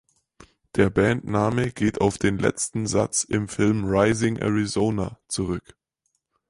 Der Band-Name geht auf den letzten Satz im Film "Raising Arizona" zurück.